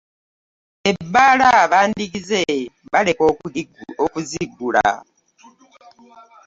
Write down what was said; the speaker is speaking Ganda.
Ebbaala bandigize baleka okuzigula.